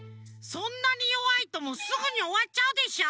そんなによわいとすぐにおわっちゃうでしょ。